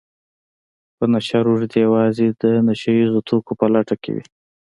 په نشه روږدي يوازې د نشه يیزو توکو په لټه کې وي